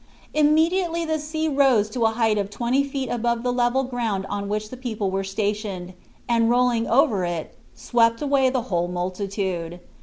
Immediately the sea rose to a height of twenty feet above the level ground on which the people were stationed, and rolling over it, swept away the whole multitude.